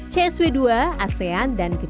serta stasiun mrt bundaran hotel indonesia